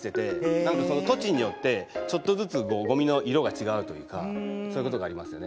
何かその土地によってちょっとずつゴミの色が違うというかそういうことがありますよね。